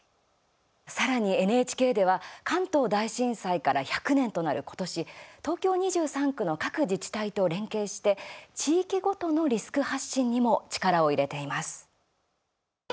さらにＮＨＫでは関東大震災から１００年となる今年、東京２３区の各自治体と連携して地域ごとのリスク発信にも力を入れています。